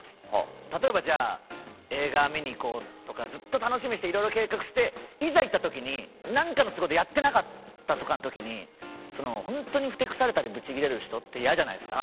例えばじゃあ映画見に行こうとかずっと楽しみにしていろいろ計画していざ行った時になんかの都合でやってなかったとかの時に本当にふてくされたりブチギレる人ってイヤじゃないですか。